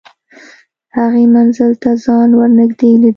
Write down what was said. هغې منزل ته ځان ور نږدې لیده